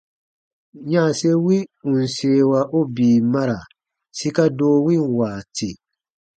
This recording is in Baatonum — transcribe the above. Yanse wi ù n seewa u bii mara sika doo win waati.